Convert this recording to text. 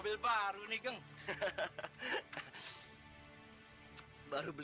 ibu kenapa sih ibu